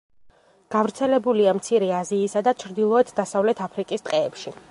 გავრცელებულია მცირე აზიისა და ჩრდილოეთ-დასავლეთ აფრიკის ტყეებში.